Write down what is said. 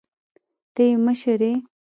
ته يې مشر يې.